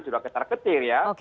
sudah ketar ketir ya